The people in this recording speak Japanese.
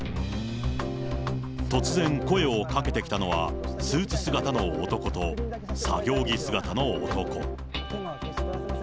突然声をかけてきたのは、スーツ姿の男と作業着姿の男。